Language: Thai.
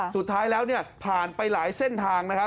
สุดท้ายแล้วผ่านไปหลายเส้นทาง